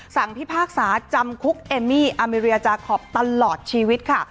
พิพากษาจำคุกเอมมี่อาเมรียจาคอปตลอดชีวิตค่ะ